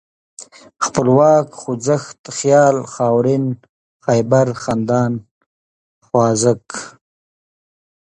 خپلواک ، خوځښت ، خيال ، خاورين ، خيبر ، خندان ، خوازک